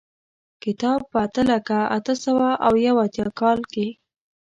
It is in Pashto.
کتاب په اته لکه اته سوه یو اتیا کال کې.